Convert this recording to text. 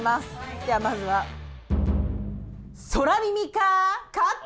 ではまずは「そらみみか『カット』」。